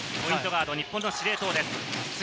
ガード、日本の司令塔です。